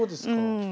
うん。